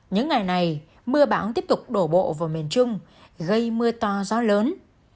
những ngày này mưa bão tiếp tục đổ bộ vào miền trung gây mưa to gió lớn